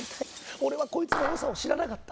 俺はこいつの良さを知らなかった。